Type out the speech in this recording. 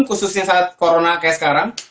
khususnya saat corona kayak sekarang